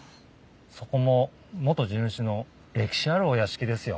そこも元地主の歴史あるお屋敷ですよ。